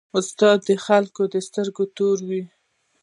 استاد د خلکو د سترګو تور وي.